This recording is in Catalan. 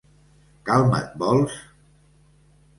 Calma't, vols?